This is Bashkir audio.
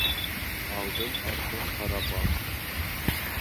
Алдын-артын ҡарап ал.